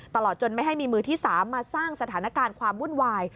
ตลอดจนไม่ให้มีมือที่๓มาสร้างสถานการณ์ความวุ่นวาย